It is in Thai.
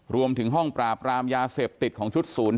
รวมถึงห้องปราบรามยาเสพติดของชุด๐๙